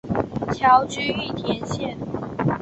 侨居玉田县。